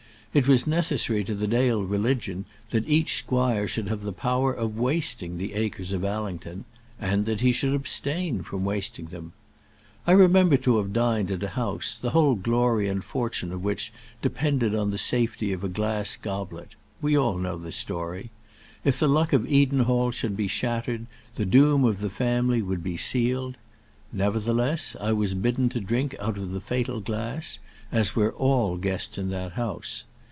It was necessary to the Dale religion that each squire should have the power of wasting the acres of Allington, and that he should abstain from wasting them. I remember to have dined at a house, the whole glory and fortune of which depended on the safety of a glass goblet. We all know the story. If the luck of Edenhall should be shattered, the doom of the family would be sealed. Nevertheless I was bidden to drink out of the fatal glass, as were all guests in that house.